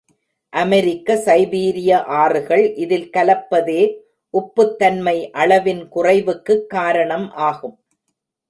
அமெரிக்க, சைபீரிய ஆறுகள் இதில் கலப்பதே உப்புத் தன்மை அளவின் குறைவுக்குக் காரணம் ஆகும்.